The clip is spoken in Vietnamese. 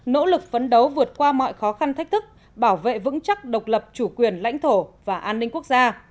nỗ lực phấn đấu vượt qua mọi khó khăn thách thức bảo vệ vững chắc độc lập chủ quyền lãnh thổ và an ninh quốc gia